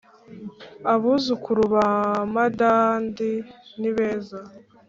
abuzukuru ba madandi nibeza